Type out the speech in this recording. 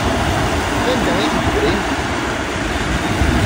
Anda ay ten-tebrim?